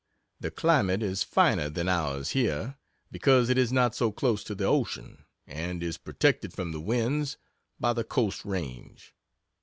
The climate is finer than ours here, because it is not so close to the ocean, and is protected from the winds by the coast range.